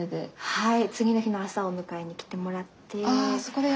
はい。